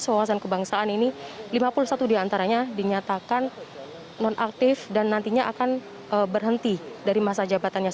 wawasan kebangsaan ini lima puluh satu diantaranya dinyatakan nonaktif dan nantinya akan berhenti dari masa jabatannya